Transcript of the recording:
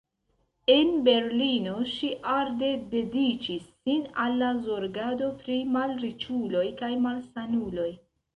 En Berlino ŝi arde dediĉis sin al la zorgado pri malriĉuloj kaj malsanuloj.